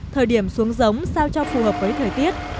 thời điểm xuống giống sao cho phù hợp với thời tiết